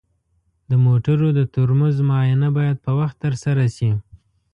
د موټرو د ترمز معاینه باید په وخت ترسره شي.